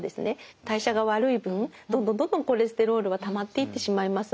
代謝が悪い分どんどんどんどんコレステロールはたまっていってしまいます。